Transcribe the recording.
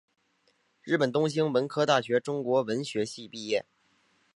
日本东京文科大学中国文学系毕业。